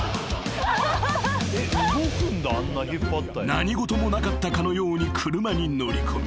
［何事もなかったかのように車に乗り込み］